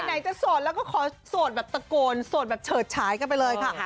ไหนจะโสดแล้วก็ขอโสดแบบตะโกนโสดแบบเฉิดฉายกันไปเลยค่ะ